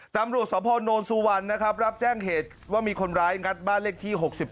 ตำรวจสพนสุวรรณนะครับรับแจ้งเหตุว่ามีคนร้ายงัดบ้านเลขที่๖๗